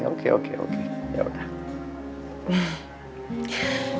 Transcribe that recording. oke oke oke yaudah